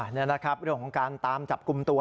นี่นะครับเรื่องของการตามจับกลุ่มตัว